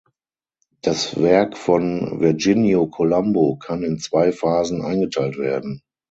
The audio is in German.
Das Werk von Virginio Colombo kann in zwei Phasen eingeteilt werden.